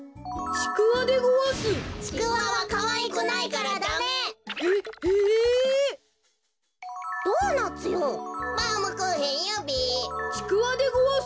ちくわでごわす！